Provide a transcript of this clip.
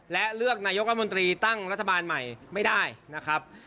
และเลือกนายกรัฐมนตรีตั้งรัฐบาลใหม่ไม่ได้นะครับ